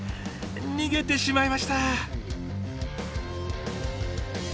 逃げてしまいました。